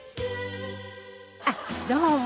あっどうも！